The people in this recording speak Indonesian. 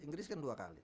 inggris kan dua kali